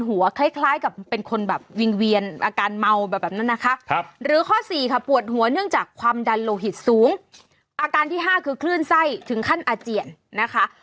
อาการที่๕คือคลื่นไส้ถึงขั้นอาเจียน